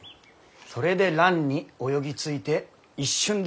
それで卵に泳ぎ着いて一瞬で受精する。